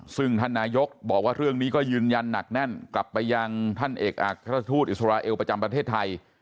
ซึ่งท่านนายกบอกว่าเรื่องนี้ก็ยืนยันหนักแน่นกลับไปยังท่านเอกอักราชทูตอิสราเอลประจำประเทศไทย